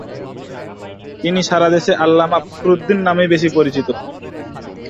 তিনি সারা দেশে আল্লামা ফখরুদ্দীন নামেই বেশী পরিচিত।